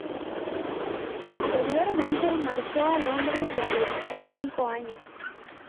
Posteriormente marchó a Londres, donde vivió cinco años.